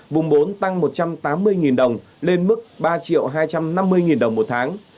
vùng bốn tăng một trăm tám mươi đồng lên mức ba triệu hai trăm năm mươi đồng một tháng